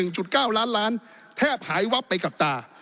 ชาติปีละ๑๙ล้านแทบหายวับไปกับตา